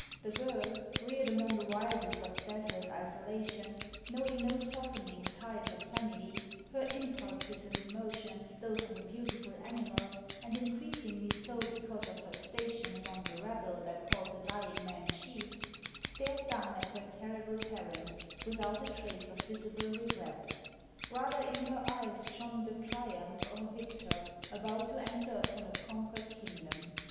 The girl, reared among the wildest of desolate isolation, knowing no softening ties of family, her impulses and emotions those of a beautiful animal, and increasingly so because of her station among the rabble that called the dying man chief, stared down at her terrible parent without a trace of visible regret: rather in her eyes shone the triumph of a victor about to enter upon a conquered kingdom.